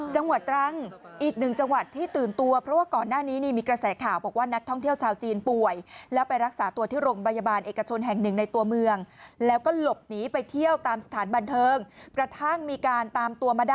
จังหวัดตรังอีกหนึ่งจังหวัดที่ตื่นตัวเพราะว่าก่อนหน้านี้นี่มีกระแสข่าวบอกว่านักท่องเที่ยวชาวจีนป่วยแล้วไปรักษาตัวที่โรงพยาบาลเอกชนแห่งหนึ่งในตัวเมืองแล้วก็หลบหนีไปเที่ยวตามสถานบันเทิงกระทั่งมีการตามตัวมาได้